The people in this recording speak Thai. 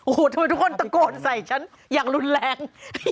โอ้โหทำไมทุกคนตะโกนใส่ฉันอย่างรุนแรง